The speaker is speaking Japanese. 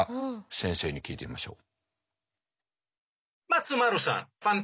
先生に聞いてみましょう。